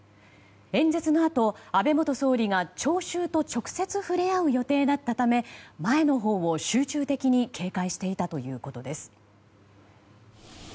演説のあと、安倍元総理が聴衆と直接触れ合う予定だったため前のほうを集中的に警戒していたということです。